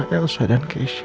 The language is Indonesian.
rena ascara elsa dan keisha